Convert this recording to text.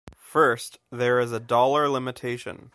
First, there is a dollar limitation.